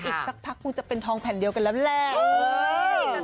อีกสักพักคงจะเป็นทองแผ่นเดียวกันแล้วแหละ